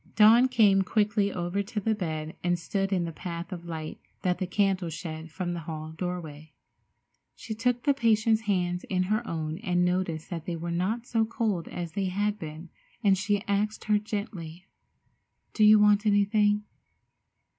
Dawn came quickly over to the bed and stood in the path of light that the candle shed from the hall doorway. She took the patient's hands in her own and noticed that they were not so cold as they had been, and she asked gently: "Do you want anything?"